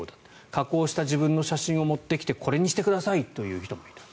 加工した自分の写真を持ってきてこれにしてくださいという人もいる。